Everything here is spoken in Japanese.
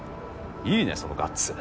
いいねそのガッツ。